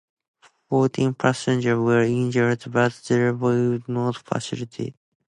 Fourteen passengers were injured, but there were no fatalities.